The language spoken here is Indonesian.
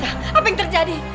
apa yang terjadi